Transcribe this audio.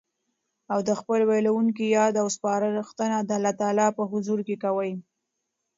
او د خپل ويلوونکي ياد او سپارښتنه د الله تعالی په حضور کي کوي